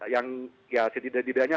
yang ya setidaknya